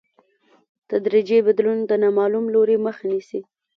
تدریجي بدلون د نامعلوم لوري مخه نیسي.